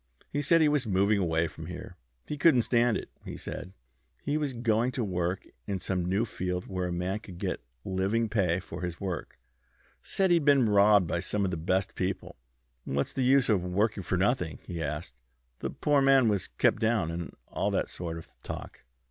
He said he was moving away from here. He couldn't stand it, he said. He was going to work in some new field where a man could get living pay for his work. Said he'd been robbed by some of our best people; what's the use of working for nothing? he asked. The poor man was kept down, and all that sort of talk."